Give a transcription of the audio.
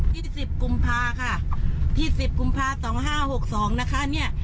สิบกุมภาค่ะยี่สิบกุมภาสองห้าหกสองนะคะเนี้ย